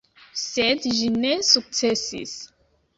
Sed ĝi ne sukcesis.